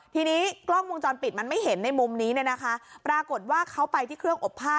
ทีนี้กล้องวงจรปิดมันไม่เห็นในมุมนี้เนี่ยนะคะปรากฏว่าเขาไปที่เครื่องอบผ้า